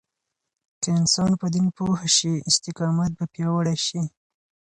که انسان په دين پوه شي، استقامت به پیاوړی شي.